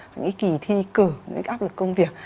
những ý kỳ thi cử những áp lực công việc